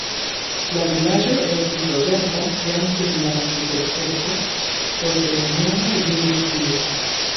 La vilaĝo estis loĝata jam dum la kuprepoko, poste romianoj vivis tie.